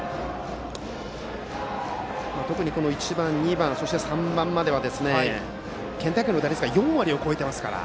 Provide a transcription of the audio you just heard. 特に１番、２番そして３番までは県大会の打率が４割を超えていますから。